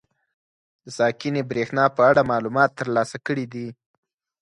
د ساکنې برېښنا په اړه معلومات تر لاسه کړي دي.